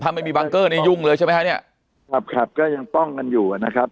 ถ้าไม่มีบังเกอร์นี่ยุ่งเลยใช่ไหมฮะเนี่ยครับครับก็ยังป้องกันอยู่อ่ะนะครับ